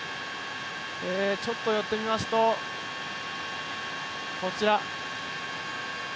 ちょっと寄ってみますとこちら。